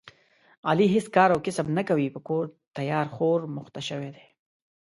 علي هېڅ کار او کسب نه کوي، په کور تیار خور مخته شوی دی.